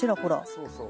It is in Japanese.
そうそう。